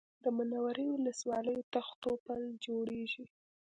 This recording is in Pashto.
د منورې ولسوالۍ تختو پل جوړېږي